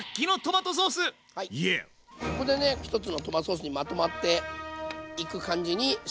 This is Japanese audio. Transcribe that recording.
ここでね一つのトマトソースにまとまっていく感じに仕上げていきます。